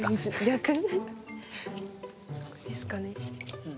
逆？ですかね。